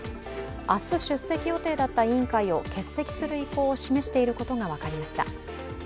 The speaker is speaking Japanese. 明日出席予定だった委員会を欠席する意向を示していることが分かりました。